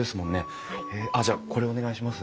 あっじゃあこれお願いします。